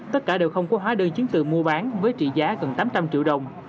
tất cả đều không có hóa đơn chứng từ mua bán với trị giá gần tám trăm linh triệu đồng